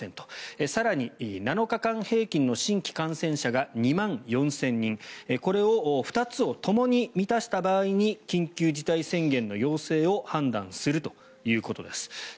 更に、７日間平均の新規感染者が２万４０００人これを２つをともに満たした場合に緊急事態宣言の要請を判断するということです。